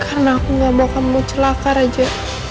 karena aku gak mau kamu celaka raja